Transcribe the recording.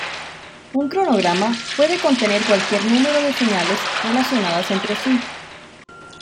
Un cronograma puede contener cualquier número de señales relacionadas entre sí.